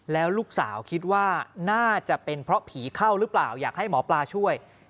แล้วลูกสาวคิดว่าน่าจะเป็นเพราะผีเข้าหรือเปล่าอยากให้หมอปลาช่วย